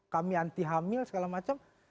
kami anti hamil segala macam